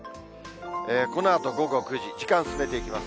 このあと午後９時、時間進めていきます。